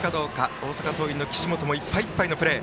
大阪桐蔭の岸本もいっぱいいっぱいのプレー。